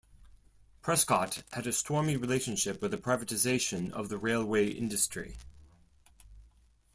Prescott had a stormy relationship with the privatisation of the railway industry.